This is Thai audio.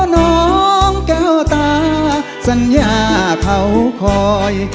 อ้อน้องก้าวตาสัญญาเข้าคอย